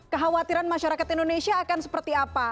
kekhawatiran masyarakat indonesia akan seperti apa